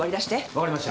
分かりました。